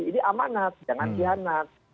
ini amanat jangan kianat